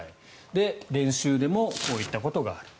練習でもこういったことがある。